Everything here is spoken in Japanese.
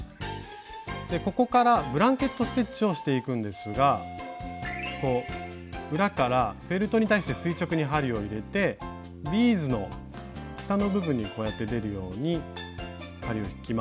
ここからブランケット・ステッチをしていくんですが裏からフェルトに対して垂直に針を入れてビーズの下の部分にこうやって出るように針を引きます。